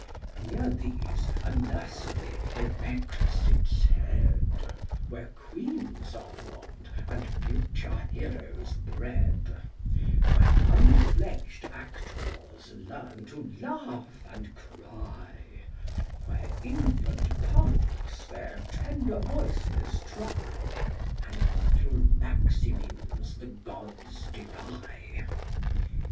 Near these a Nursery 4 erects its head, Where queens are form'd, and future heroes bred ; Where unfledged actors learn to laugh and cry, Where infant punks their tender voices try, And little Maximins the gods defy.